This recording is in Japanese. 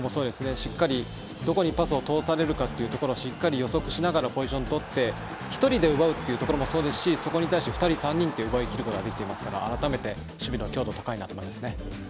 しっかりどこにどこにパスを通されるかというのをしっかり予測しながらポジションを取って１人で奪うというところもそうですしそこに対して２人、３人と奪いきることができていますから改めて守備の強度が高いなと思いますね。